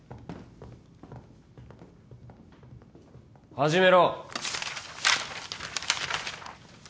始めろ。